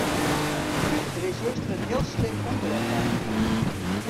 Der is juster in heel slim ûngelok bard.